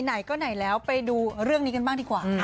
ไหนก็ไหนแล้วไปดูเรื่องนี้กันบ้างดีกว่าค่ะ